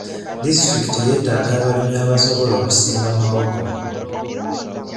Disitulikiti yeetaaga abalimi abasobola okusimba mawogo.